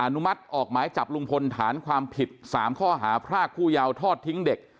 นุมัติออกหมายจับลุงพลฐานความผิด๓ข้อหาพรากผู้ยาวทอดทิ้งเด็ก